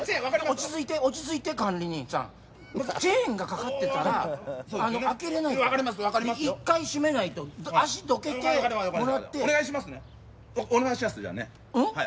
落ち着いて落ち着いて管理人さんチェーンがかかってたら開けれないから一回閉めないと足どけてもらってお願いしますねお願いしますじゃあねうん？